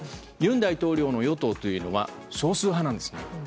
尹大統領の与党というのは少数派なんです。